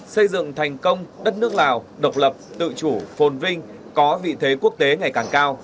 xây dựng thành công đất nước lào độc lập tự chủ phồn vinh có vị thế quốc tế ngày càng cao